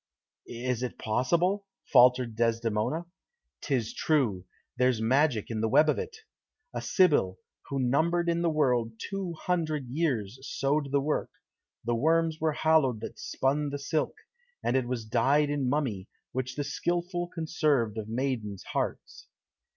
"Is it possible?" faltered Desdemona. "'Tis true; there's magic in the web of it: a sibyl, who numbered in the world two hundred years, sewed the work; the worms were hallowed that spun the silk, and it was dyed in mummy, which the skilful conserved of maidens' hearts."